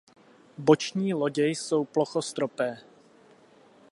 Boční lodě jsou plochostropé.